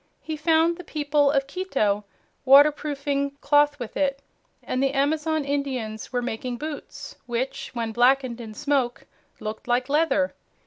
He found the people of Quito waterproofing cloth with it, and the Amazon Indians were making boots which, when blackened in smoke, looked like leather.